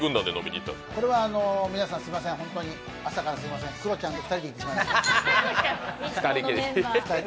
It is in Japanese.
これは皆さん、朝からすみません、ホントにクロちゃんと２人で行ってしまいました。